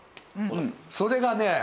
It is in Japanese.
それがね